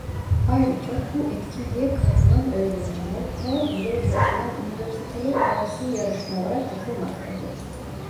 Ayrıca bu etkinliğe katılan öğrenciler her yıl yapılan üniversiteler arası yarışmalara katılmaktadır.